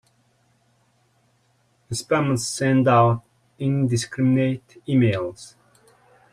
Spammers send out indiscriminate emails.